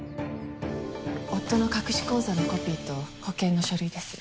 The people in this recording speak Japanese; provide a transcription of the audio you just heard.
夫の隠し口座のコピーと保険の書類です。